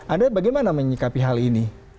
anda bagaimana menyikapi hal ini